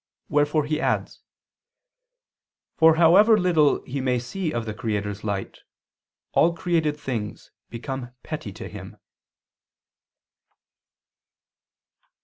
Wherefore he adds: "For however little he may see of the Creator's light, all created things become petty to him."